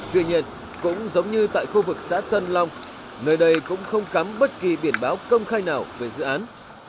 tuy nhiên cũng giống như tại khu vực xã tân long nơi đây cũng không cắm bất kỳ biển báo công khai nào về dự án